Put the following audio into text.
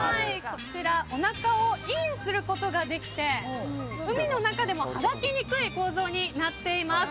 こちら、おなかをインすることができて海の中でもはだけにくい構造になっています。